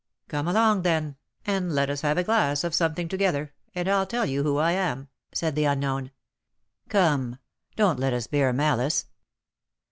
"Come along, then, and let us have a glass of something together, and I'll tell you who I am," said the unknown. "Come, don't let us bear malice."